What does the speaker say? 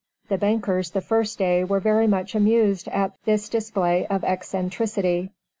The bankers the first day were very much amused at "This display of eccentricity."